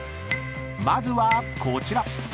［まずはこちら］